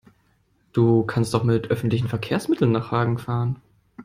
Du kannst doch mit öffentlichen Verkehrsmitteln nach Hagen fahren